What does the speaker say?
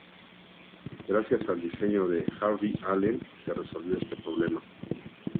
Gracias al diseño de Harvey Allen se resolvió este problema.